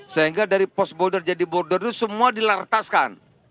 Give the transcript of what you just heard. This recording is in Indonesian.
sehingga dari post border jadi border itu semua dilartaskan